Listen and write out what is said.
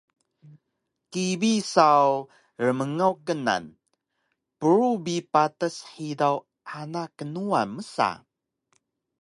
kibi saw rmngaw knan “purug bi patas hidaw ana knuwan” msa